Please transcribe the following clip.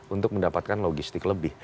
untuk mendapatkan logistik lebih